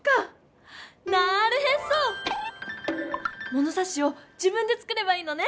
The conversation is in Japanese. ものさしを自分で作ればいいのね！